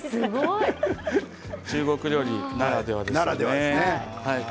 中国料理ならではですね。